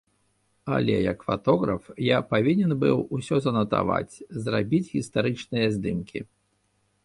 Але як фатограф, я павінен быў усё занатаваць, зрабіць гістарычныя здымкі.